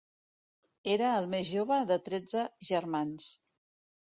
Era el més jove de tretze germans.